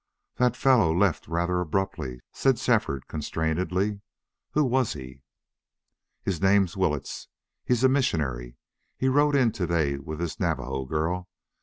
"That fellow left rather abruptly," said Shefford, constrainedly. "Who was he?" "His name's Willetts. He's a missionary. He rode in to day with this Navajo girl.